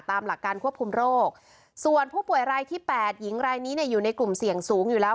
ตามหลักการควบคุมโรคส่วนผู้ป่วยรายที่๘หญิงรายนี้เนี่ยอยู่ในกลุ่มเสี่ยงสูงอยู่แล้ว